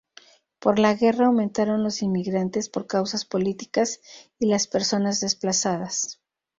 Por la guerra aumentaron los inmigrantes por causas políticas y las personas desplazadas.